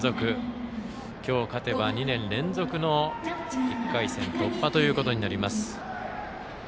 今日、勝てば２年連続の１回戦突破となります。